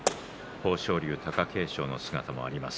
豊昇龍と貴景勝の姿があります。